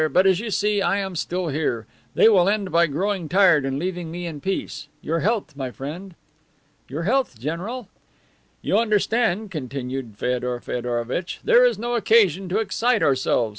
But, as you see, I am still here. They will end by growing tired and leaving me in peace. Your health, my friend!" "Your health, general!" "You understand," continued Feodor Feodorovitch, "there is no occasion to excite ourselves.